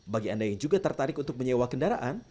bagi anda yang juga tertarik untuk menyewa kendaraan